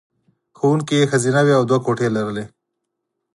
ښوونکې یې ښځینه وې او دوه کوټې یې لرلې